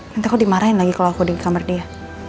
nanti aku dimarahin lagi kalau aku di kamar dia